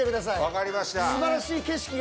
わかりました。